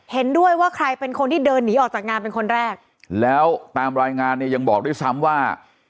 เห็นด้วยว่าใครเป็นคนที่เดินหนีออกจากงานเป็นคนแรกแล้วตามรายงานเนี่ยยังบอกด้วยซ้ำว่า